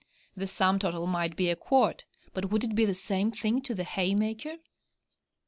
The sum total might be a quart, but would it be the same thing to the haymaker?